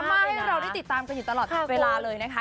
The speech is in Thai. มีดราม่าที่เราได้ติดตามกันอยู่ตลอดเวลาเลยนะคะ